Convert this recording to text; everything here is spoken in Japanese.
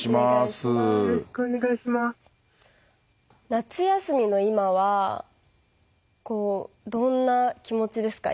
夏休みの今はどんな気持ちですか？